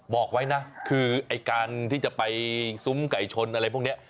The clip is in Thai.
บอกไว้นะคือไอ้การที่จะไปซุ้มไก่ชนอะไรพวกนี้